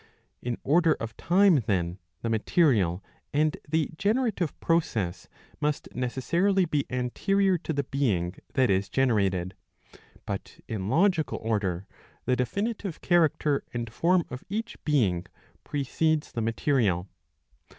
^ In order of time then the material and the generative process must necessarily be anterior to the being that is generated ; but in logical order the definitive character and form of each being precedes the material.